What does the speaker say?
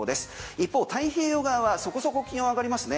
一方、太平洋側はそこそこ気温上がりますね。